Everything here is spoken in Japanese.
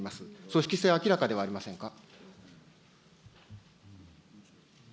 組織性は明らかではありませんか。